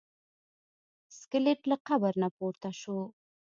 سکلیټ له قبر نه پورته شو.